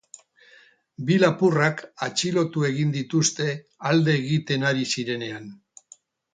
Bi lapurrak atxilotu egin dituzte alde egiten ari zirenean.